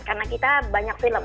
karena kita banyak film